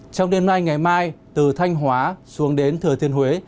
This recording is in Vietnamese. trong đêm nay ngày mai từ thanh hóa xuống đến thừa thiên huế